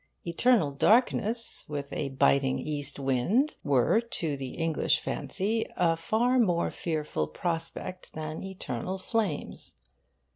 Eternal darkness, with a biting east wind, were to the English fancy a far more fearful prospect than eternal flames.